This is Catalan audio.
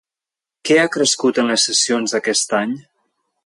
Què ha crescut en les sessions d'aquest any?